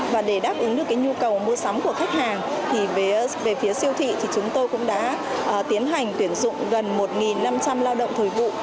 và để đáp ứng được cái nhu cầu mua sắm của khách hàng thì về phía siêu thị thì chúng tôi cũng đã tiến hành tuyển dụng gần một năm trăm linh lao động thời vụ